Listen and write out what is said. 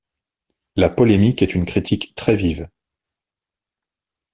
La polémique est une critique très vive.